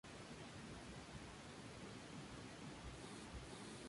Una interpretación de la Op.